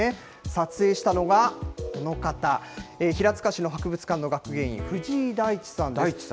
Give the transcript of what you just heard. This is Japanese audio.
撮影したのがこの方、平塚市の博物館の学芸員、藤井大地さんです。